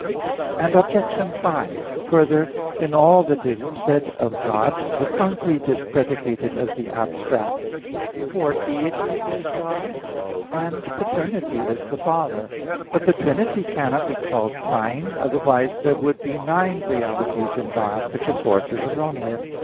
Obj. 5: Further, in all that is said of God, the concrete is predicated of the abstract; for Deity is God and paternity is the Father. But the Trinity cannot be called trine; otherwise there would be nine realities in God; which, of course, is erroneous.